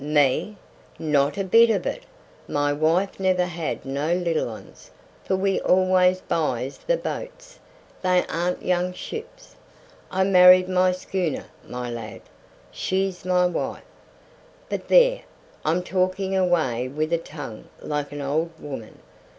"Me? Not a bit of it. My wife never had no little 'uns, for we always buys the boats, they arn't young ships. I married my schooner, my lad; she's my wife. But there, I'm talking away with a tongue like an old woman.